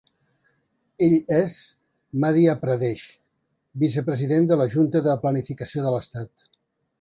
Ell és Madhya Pradesh, vicepresident de la Junta de Planificació de l'Estat.